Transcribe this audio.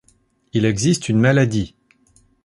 Il existe une maladie.